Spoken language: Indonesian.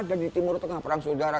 dan itu ada di timur tengah perang saudara